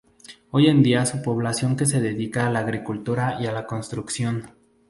Hoy en día su población que se dedica a la agricultura y la construcción.